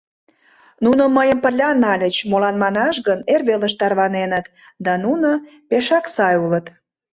Нуно мыйым пырля нальыч, молан манаш гын эрвелыш тарваненыт, да нуно пешак сай улыт!